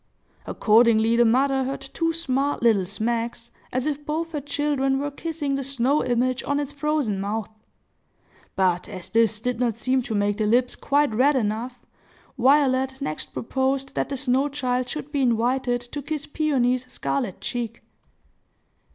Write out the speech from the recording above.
Accordingly, the mother heard two smart little smacks, as if both her children were kissing the snow image on its frozen mouth. But, as this did not seem to make the lips quite red enough, Violet next proposed that the snow child should be invited to kiss Peony's scarlet cheek.